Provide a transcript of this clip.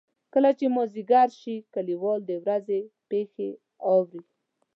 کله چې مازدیګر شي کلیوال د ورځې پېښې اوري.